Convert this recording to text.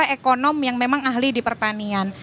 ekonom yang memang ahli di pertanian